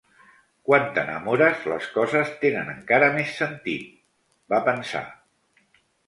Quan t'enamores, les coses tenen encara més sentit, va pensar.